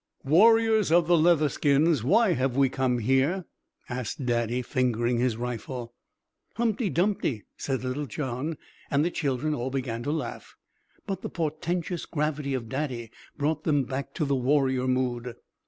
"Warriors of the Leatherskins, why have we come here?" asked Daddy, fingering his rifle. "Humpty Dumpty," said little John, and the children all began to laugh, but the portentous gravity of Daddy brought them back to the warrior mood.